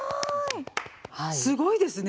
すごいですね。